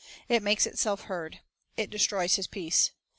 It makes itself heard. It destroys his peace.